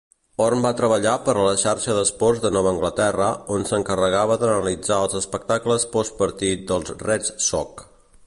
Horn va treballar per a la Xarxa d'Esports de Nova Anglaterra, on s'encarregava d'analitzar els espectacles postpartit dels Red Sox.